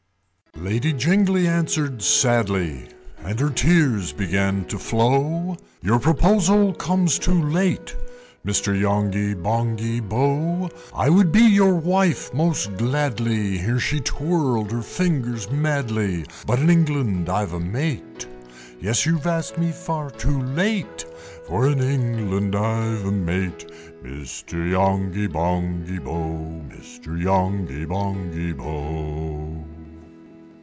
V. Lady Jingly answered sadly, And her tears began to flow, "Your proposal comes too late, Mr. Yonghy Bonghy Bò! I would be your wife most gladly!" (Here she twirled her fingers madly,) "But in England I've a mate! Yes! you've asked me far too late, For in England I've a mate, Mr. Yonghy Bonghy Bò! Mr. Yonghy Bonghy Bò!